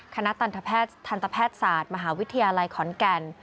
คณะทันตแพทย์ศาสตร์มหาวิทยาลัยขอนแก่น